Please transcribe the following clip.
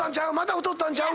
太ったんちゃう？